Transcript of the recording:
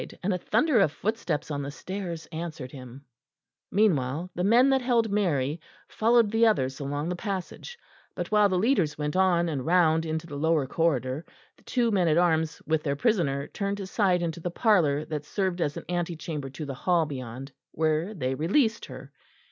And a thunder of footsteps on the stairs answered him. Meanwhile the men that held Mary followed the others along the passage, but while the leaders went on and round into the lower corridor, the two men at arms with their prisoner turned aside into the parlour that served as an ante chamber to the hall beyond, where they released her.